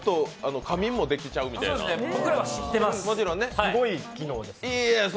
仮眠もできちゃうみたいなすごい機能です。